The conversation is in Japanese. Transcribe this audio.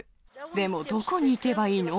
でも、どこに行けばいいの？